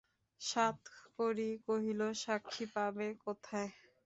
সাতকড়ি কহিল, সাক্ষী পাবে কোথায়?